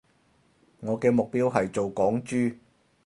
我嘅目標係做港豬